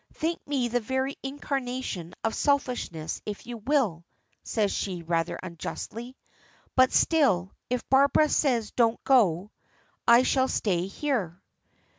Think me the very incarnation of selfishness if you will," says she rather unjustly, "but still, if Barbara says 'don't go,' I shall stay here."